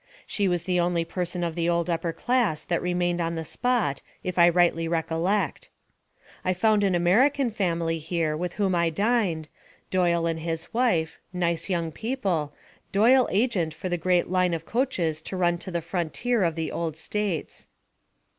She was the only person of the old upper class that remained on the spot, if I rightly recollect. I found an American family here, with whom I dined, Doyle and his wife, nice young people, Doyle agent for the great line of coaches to run to the frontier of the old States.